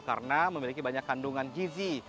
karena memiliki banyak kandungan gizi